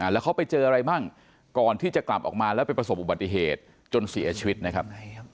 แล้วเขาไปเจออะไรบ้างก่อนที่จะกลับออกมาแล้วไปประสบอุบัติเหตุจนเสียชีวิตนะครับ